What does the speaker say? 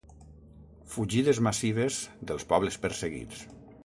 Fugides massives dels pobles perseguits.